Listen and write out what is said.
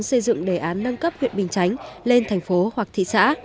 xây dựng đề án nâng cấp huyện bình chánh lên thành phố hoặc thị xã